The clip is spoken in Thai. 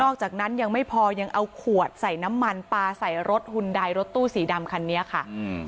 จากนั้นยังไม่พอยังเอาขวดใส่น้ำมันปลาใส่รถหุ่นใดรถตู้สีดำคันนี้ค่ะอืม